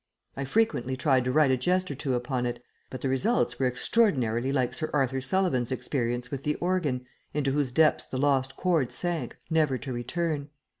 I frequently tried to write a jest or two upon it, but the results were extraordinarily like Sir Arthur Sullivan's experience with the organ into whose depths the lost chord sank, never to return.